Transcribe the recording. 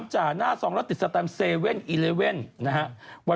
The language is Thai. จ่าหน้าซองแล้วติดสแตม๗๑๑นะฮะ